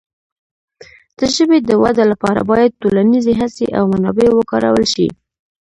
د ژبې د وده لپاره باید ټولنیزې هڅې او منابع وکارول شي.